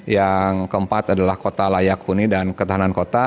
yang keempat adalah kota layak huni dan ketahanan kota